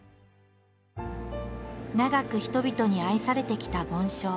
長く人々に愛されてきた梵鐘。